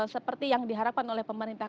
seperti yang diharapkan oleh pemerintah